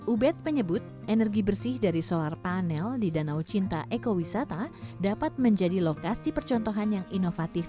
ubed menyebut energi bersih dari solar panel di danau cinta ekowisata dapat menjadi lokasi percontohan yang inovatif